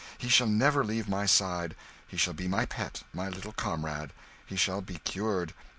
He shall never leave my side; he shall be my pet, my little comrade. And he shall be cured!